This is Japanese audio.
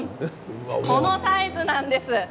このサイズなんです。